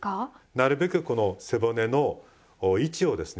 なるべくこの背骨の位置をですね